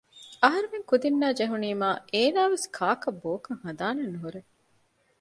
އަހަރުމެން ކުދިންނާ ޖެހުނީމާ އޭނާވެސް ކާކަށް ބޯކަށް ހަނދާނެއް ނުހުރޭ